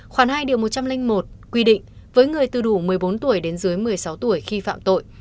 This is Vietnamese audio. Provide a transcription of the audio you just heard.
khoảng hai điều một trăm linh một quy định với người từ đủ một mươi bốn tuổi đến dưới một mươi sáu tuổi khi phạm tội